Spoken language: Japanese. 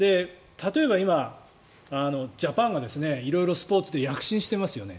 例えば今、ジャパンが色々スポーツで躍進してますよね。